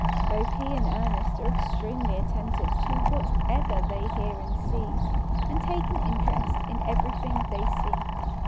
Both he and Ernest are extremely attentive to whatever they hear and see, and take interest in ever3^thing they see.